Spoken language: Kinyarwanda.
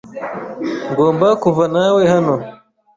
Ngomba kuvanawe hano.